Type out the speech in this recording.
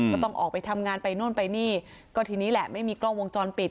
ก็ต้องออกไปทำงานไปโน่นไปนี่ก็ทีนี้แหละไม่มีกล้องวงจรปิด